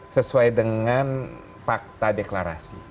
sesuai dengan fakta deklarasi